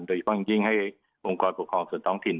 โดยเฉพาะอย่างยิ่งให้องค์กรปกครองส่วนท้องถิ่น